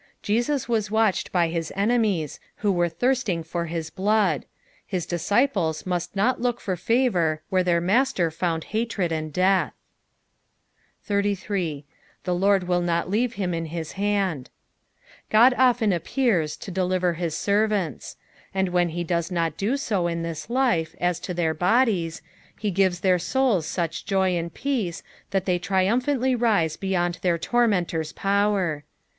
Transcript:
Jesus was watched by his enemies, who were thirsting for hu blood : his dis ciples must not look lor favour where tb^ir Master found hatred and death. 8S. " Th» Lord aiii not Uave him in hit hand." God often appears to deliver his serrants, and when he does not do so in this life as to their bodies, h'e gives their eouls such joy and peace that they triumphantly rise beyond their tor meatota' power.